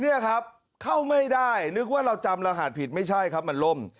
เนี่ยครับเข้าไม่ได้นึกว่าเราจำรหัสผิดไม่ใช่ครับมันล่ม